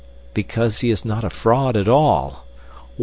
"Because he is not a fraud at all."